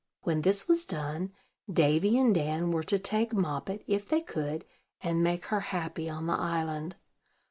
When this was done, Davy and Dan were to take Moppet, if they could, and make her happy on the island.